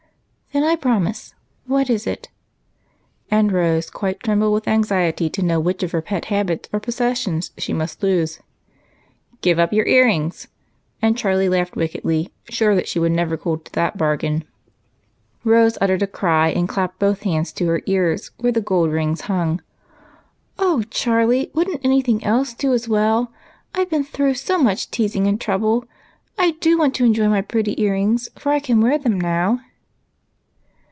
"Then I promise; what is it?" and Rose quite trembled with anxiety to know which of her pet habits or possessions she must lose. " Give uj) your ear rings," and Charlie laughed GOOD BARGAINS. 195 wickedly, sure that she would never hold to that bargain. Rose uttered a cry and clapped both hands to her ears where the gold rings hung. "O Charlie, wouldn't any thing else do as well? I 've been through so much teasing and trouble, I do want to enjoy my pretty ear rings, for I can wear them now."